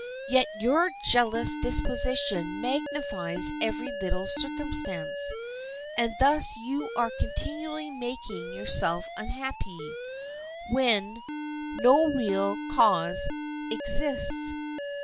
Yet your jealous disposition magnifies every little circumstance, and thus you are continually making yourself unhappy when no real cause exists.